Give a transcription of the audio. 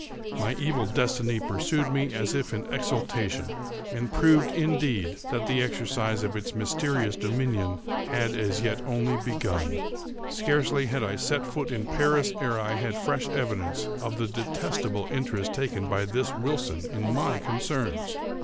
My evil destiny pursued me as if in exultation, and proved, indeed, that the exercise of its mysterious dominion had as yet only begun. Scarcely had I set foot in Paris ere I had fresh evidence of the detestable interest taken by this Wilson in my concerns.